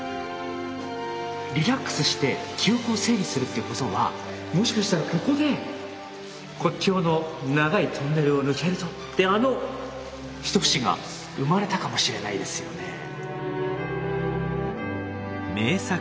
リラックスして記憶を整理するっていうことはもしかしたらここで「国境の長いトンネルを抜けると」ってあの一節が生まれたかもしれないですよね。